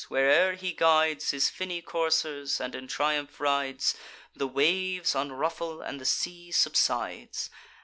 Where'er he guides His finny coursers and in triumph rides, The waves unruffle and the sea subsides.